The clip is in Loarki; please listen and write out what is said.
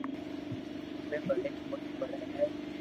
مني پلي ڪوئي پڙي ھي